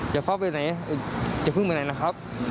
อย่าฟับไหนอย่าพึ่งไปไหนนะครับ